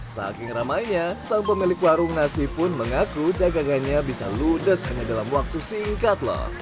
saking ramainya sang pemilik warung nasi pun mengaku dagangannya bisa ludes hanya dalam waktu singkat loh